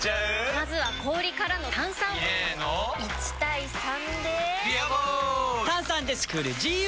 まずは氷からの炭酸！入れの１：３で「ビアボール」！